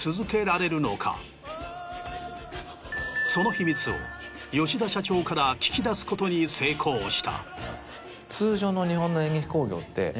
その秘密を吉田社長から聞き出すことに成功した。